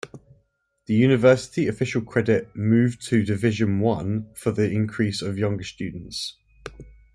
The university official credit "move to Division One" for the increase of younger students.